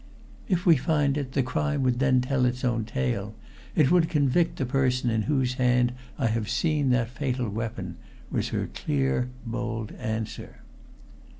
"If we find it, the crime would then tell its own tale it would convict the person in whose hand I have seen that fatal weapon," was her clear, bold answer.